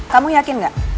kamu yakin gak